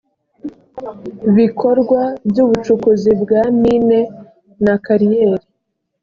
bikorwa by ubucukuzi bwa mine na kariyeri